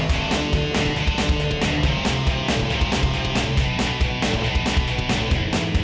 kali ini kita gak boleh gagal lagi